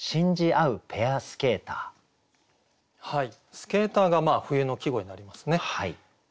「スケーター」が冬の季語になりますね。